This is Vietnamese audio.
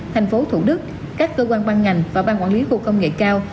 tp thủ đức các cơ quan ban ngành và ban quản lý khu công nghệ cao